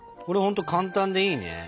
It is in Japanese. これほんと簡単でいいね。